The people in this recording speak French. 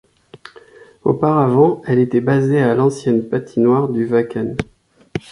Auparavant, elle était basée à l'ancienne patinoire du Wacken.